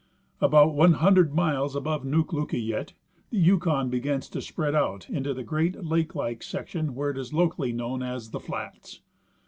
About 100 miles above Nuklukayet the Yukon begins to spread out into the great lake like section which is locally known as the " flats."